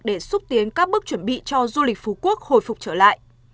để xúc tiến các bước chuẩn bị cho du lịch phú quốc hồi phục trở lại